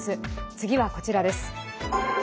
次はこちらです。